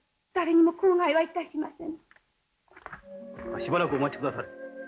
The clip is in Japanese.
しばらくお待ちくだされ。